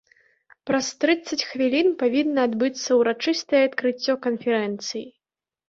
Праз трыццаць хвілін павінна адбыцца ўрачыстае адкрыццё канферэнцыі.